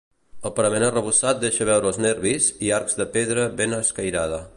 El parament arrebossat deixa veure els nervis i arcs de pedra ben escairada.